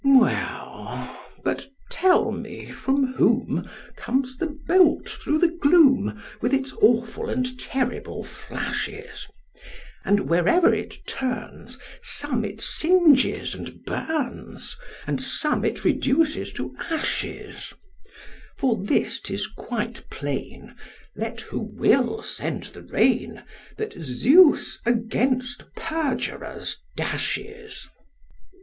STREPS. Well, but tell me from whom comes the bolt through the gloom, with its awful and terrible flashes; And wherever it turns, some it singes and burns, and some it reduces to ashes: For this 'tis quite plain, let who will send the rain, that Zeus against perjurers dashes SOCR.